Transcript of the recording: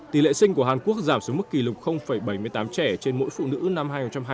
tỷ lệ sinh của hàn quốc giảm xuống mức kỷ lục bảy mươi tám trẻ trên mỗi phụ nữ năm hai nghìn hai mươi